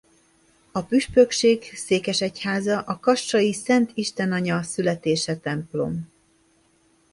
A püspökség székesegyháza a kassai Szent Istenanya Születése templom.